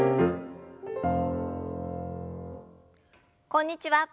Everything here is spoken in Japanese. こんにちは。